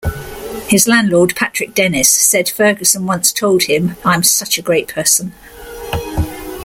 His landlord Patrick Denis said Ferguson once told him, I'm such a great person.